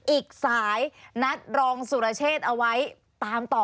อีกสายนัดรองสุรเชษเอาไว้ตามต่อ